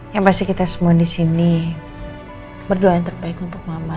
ya pasti kita semua disini berdoa yang terbaik untuk mama